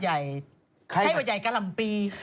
อ่าใครวัดใหญ่กะลัมปี